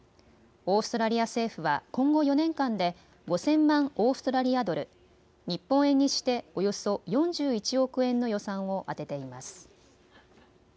オーストラリア政府は今後４年間で５０００万オーストラリアドル、日本円にしておよそ４１億円の予算を充てています。